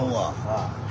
はい。